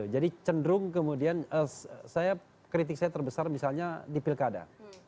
jadi cenderung kemudian saya kritik saya terbesar misalnya di pilkada